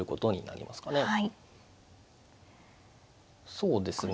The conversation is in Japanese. そうですね。